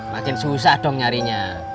makin susah dong nyarinya